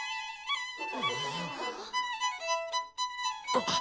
あっ！